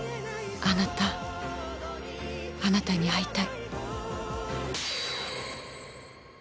あなた、あなたに会いたい。